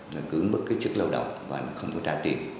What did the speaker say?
nó cứ mất cái chức lao động và nó không có trả tiền